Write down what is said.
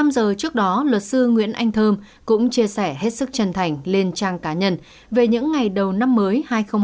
một mươi năm giờ trước đó luật sư nguyễn anh thơm cũng chia sẻ hết sức chân thành lên trang cá nhân về những ngày đầu năm mới hai nghìn hai mươi